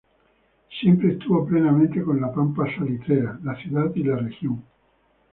Siempre estuvo plenamente con la pampa salitrera, la ciudad y la región.